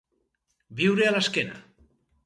Viure a l'esquena.